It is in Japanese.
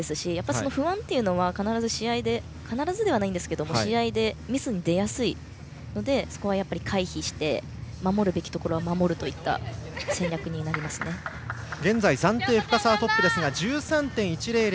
その不安というのは必ずではないんですが試合でミスが出やすいのでそこは回避して守るべきところは守るといった戦略になりますね。１３．１００